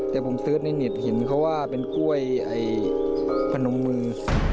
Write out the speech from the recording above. แต่ผมเสิร์ชในเน็ตเห็นเขาว่าเป็นกล้วยพนมมือ